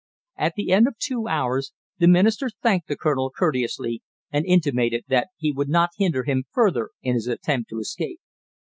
At the end of two hours the Minister thanked the colonel courteously and intimated that he would not hinder him further in his attempt to escape.